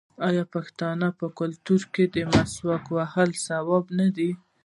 آیا د پښتنو په کلتور کې د مسواک وهل ثواب نه دی؟